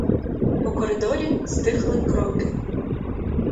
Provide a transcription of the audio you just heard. У коридорі стихли кроки.